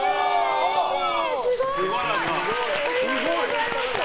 うれしい！